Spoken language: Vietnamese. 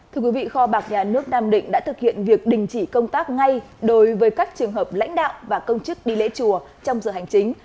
thưa quý vị kho bạc nhà nước nam định đã thực hiện việc đình chỉ công tác ngay đối với các trường hợp lãnh đạo và công chức đi lễ chùa trong giờ hành chính